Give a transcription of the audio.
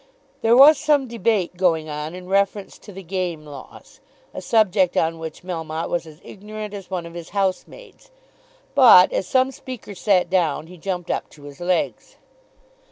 There was some debate going on in reference to the game laws, a subject on which Melmotte was as ignorant as one of his own housemaids, but, as some speaker sat down, he jumped up to his legs.